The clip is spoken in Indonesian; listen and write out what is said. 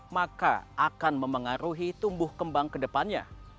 maka akan memengaruhi tumbuh kembang ke depannya